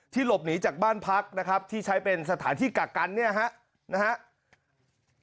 หลบหนีจากบ้านพักนะครับที่ใช้เป็นสถานที่กักกันเนี่ยครับ